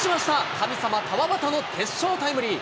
神様、川端の決勝タイムリー。